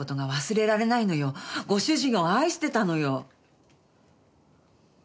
ご主人を愛してたのよ！